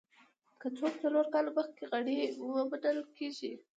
که څوک څلور کاله مخکې غړي وو منل کېږي.